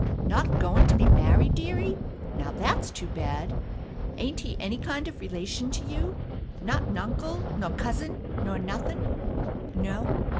"Not goin' to be married, dearie? Now that's too bad. Ain't he any kind of relation to you? Not an uncle nor cousin nor nothin'?" "No."